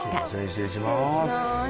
失礼します。